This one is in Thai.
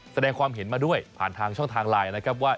แสดงความเห็นมาด้วยผ่านทางช่องทางไลน์นะครับว่า